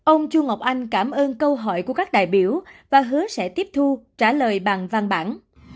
ông chu ngọc anh cảm ơn câu hỏi của các đại biểu và hứa sẽ tiếp thu trả lời bằng văn bản